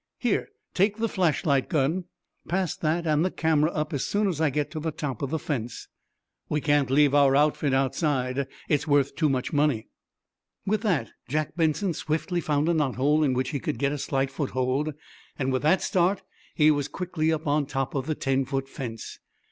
Here, take the flashlight gun. Pass that and the camera up as soon as I get to the top of the fence. We can't leave our outfit outside it's worth too much money." With that Jack Benson swiftly found a knothole in which he could get a slight foot hold. With that start he was quickly up on top of the ten foot fence.